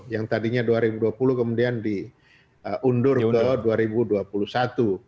yang tadinya dua ribu dua puluh kemudian di undurdo dua ribu dua puluh